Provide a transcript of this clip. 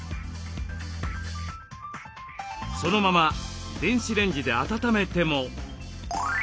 そのまま電子レンジで温めても。